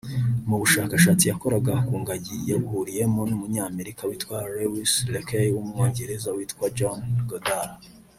Mu bushakashatsi yakoraga ku ngagi yabuhuriyemo n’Umunyamerika witwa Louis Leakey n’Umwongereza witwa John Godall